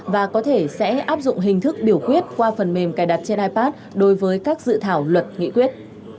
và có thể sẽ áp dụng hình thức biểu quyết qua phần mềm cài đặt trên ipad đối với các dự thảo luật nghị quyết